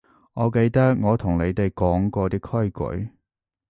我記得我同你哋講過啲規矩